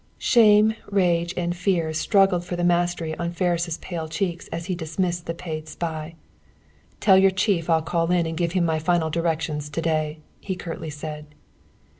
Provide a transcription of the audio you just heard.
Shame, rage, and fear struggled for the mastery on Ferris' pale cheeks as he dismissed the paid spy. "Tell your chief I'll call in and give him my final directions to day," he curtly said.